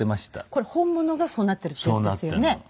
これ本物がそうなっているっていうやつですよね？